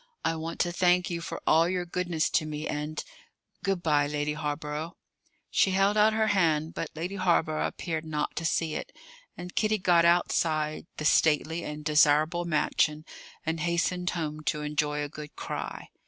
"I want to thank you for all your goodness to me, and Good bye, Lady Hawborough." She held out her hand, but Lady Hawborough appeared not to see it, and Kitty got outside the "stately and desirable mansion" and hastened home to enjoy a good cry.